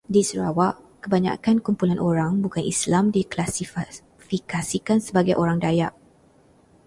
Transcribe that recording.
Di Sarawak, kebanyakan kumpulan orang bukan Islam diklasifikasikan sebagai orang Dayak.